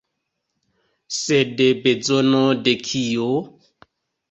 Sed, bezono de kio?